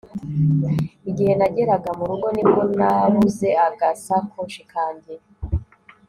Igihe nageraga mu rugo ni bwo nabuze agasakoshi kanjye